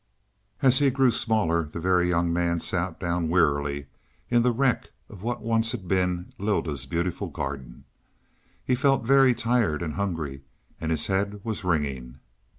As he grew smaller the Very Young Man sat down wearily in the wreck of what once had been Lylda's beautiful garden. He felt very tired and hungry, and his head was ringing.